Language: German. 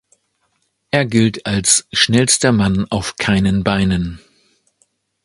Er gilt als „schnellster Mann auf keinen Beinen“.